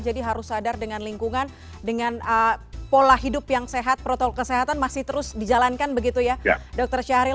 jadi harus sadar dengan lingkungan dengan pola hidup yang sehat protokol kesehatan masih terus dijalankan begitu ya dr syahril